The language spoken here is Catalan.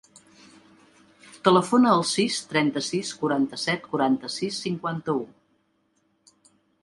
Telefona al sis, trenta-sis, quaranta-set, quaranta-sis, cinquanta-u.